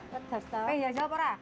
pengen jalan jalan pora